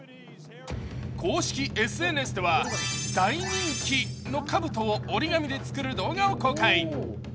公式ＳＮＳでは、大人気のかぶとを折り紙で作る動画を公開。